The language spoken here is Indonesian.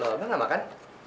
abah nggak makan